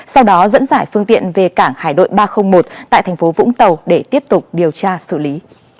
sau đó dẫn giải phương tiện về cảng hải đội ba trăm linh một tại thành phố vũng tàu để tiếp tục điều tra xử lý